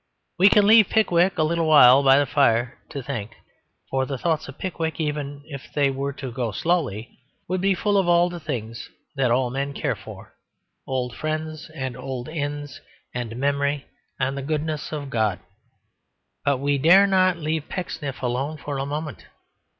We can leave Pickwick a little while by the fire to think; for the thoughts of Pickwick, even if they were to go slowly, would be full of all the things that all men care for old friends and old inns and memory and the goodness of God. But we dare not leave Pecksniff alone for a moment.